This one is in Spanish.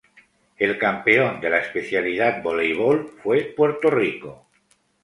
El campeón de la especialidad Voleibol fue Puerto Rico.